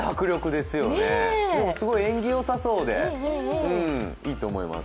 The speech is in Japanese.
でも縁起良さそうで、いいと思います。